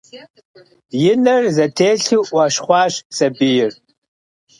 И нэр зэтелъу Ӏуэщхъуащ сабийр.